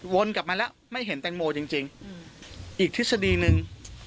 วนกลับมาแล้วไม่เห็นแตงโมจริงอีกทฤษฎีหนึ่ง